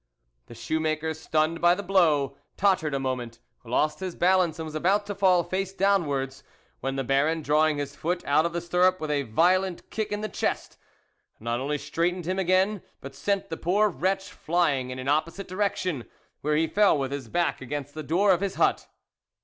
The shoe maker, stunned by the blow, tottered a moment, lost his balance and was about to fall face downwards, when the Baron, drawing his foot out of the stirrup, with a violent kick in the chest, not only straightened him again, but sent the poor wretch flying in an opposite direction, where he fell with his back against the door of his hut.